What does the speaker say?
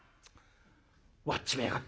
割っちまいやがった。